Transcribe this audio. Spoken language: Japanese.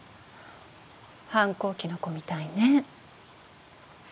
反抗期の子みたいね